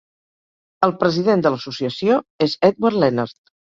El president de l'associació és Edward Lennard.